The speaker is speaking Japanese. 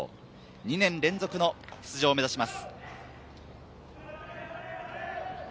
２年連続の出場を目指します。